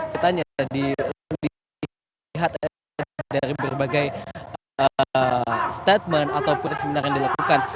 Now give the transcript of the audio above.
kita lihat dari berbagai statement atau seminar yang dilakukan